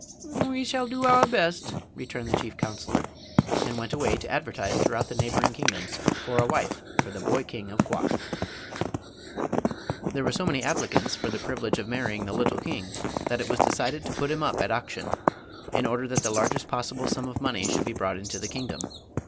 "We shall do our best," returned the chief counselor, and went away to advertise throughout the neighboring kingdoms for a wife for the boy king of Quok. There were so many applicants for the privilege of marrying the little king that it was decided to put him up at auction, in order that the largest possible sum of money should be brought into the kingdom.